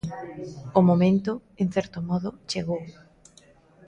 O momento, en certo modo, chegou.